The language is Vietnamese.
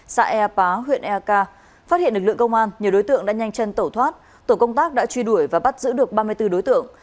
xã ea pá huyện eak phát hiện lực lượng công an nhiều đối tượng đã nhanh chân tẩu thoát tổ công tác đã truy đuổi và bắt giữ được ba mươi bốn đối tượng